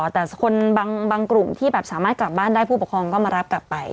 แต่คนบางกลุ่มที่แบบสามารถกลับบ้านได้ผู้ปกครองก็มารับกลับไป